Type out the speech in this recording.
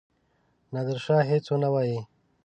نادرشاه هیڅ ونه وايي.